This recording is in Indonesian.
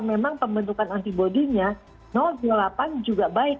memang pembentukan antibody nya dua puluh delapan juga baik